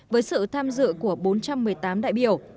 với sự tham dự của bốn trăm một mươi tám đại biểu